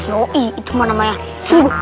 yoi itu mau namanya sungguh